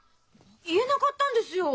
言えなかったんですよ。